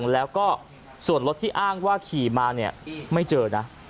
แล้วก็ส่วนรถที่อ้างว่าขี่มาเนี่ยไม่เจอนะ